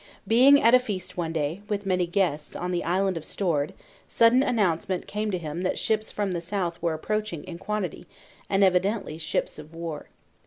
Being at a feast one day, with many guests, on the Island of Stord, sudden announcement came to him that ships from the south were approaching in quantity, and evidently ships of war.